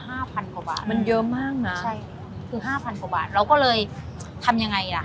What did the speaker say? ห้าพันกว่าบาทมันเยอะมากนะใช่คือห้าพันกว่าบาทเราก็เลยทำยังไงล่ะ